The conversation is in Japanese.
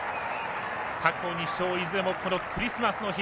過去２勝いずれもクリスマスの日。